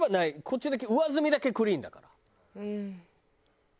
こっちだけ上澄みだけクリーンだから。